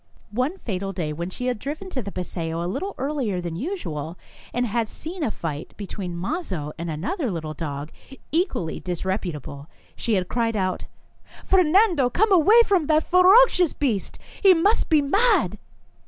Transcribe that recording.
One fatal day, when she had driven to the paseo a little earlier than usual, and had seen a fight between Mazo and another little dog, equally disreputable, she had cried out: €f Fernando, come away from that ferocious beast ! He must be mad